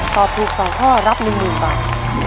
ตอบถูก๒ข้อรับ๑หนึ่งบาท